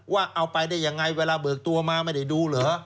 ว่าเอาไปได้ยังไงเวลาเบิกตัวมาไม่ได้ดูเหรอ